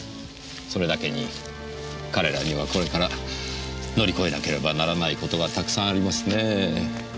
それだけに彼らにはこれから乗り越えなければならない事がたくさんありますねぇ。